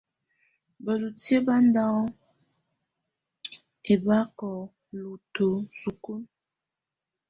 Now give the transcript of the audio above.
Bǝ́lutiǝ́ bá ndɔ́ ɛ́bákɔ lutǝ́ isúkulu.